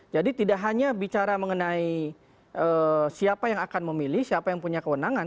jadi tidak hanya bicara mengenai siapa yang akan memilih siapa yang punya kewenangan